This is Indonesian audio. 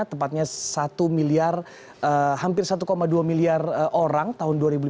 tepatnya hampir satu dua miliar orang tahun dua ribu lima belas